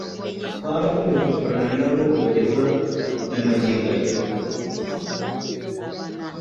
Twarakomeje dukorana na bo kugeza na magigingo aya